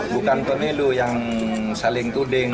bukan pemilu yang saling tuding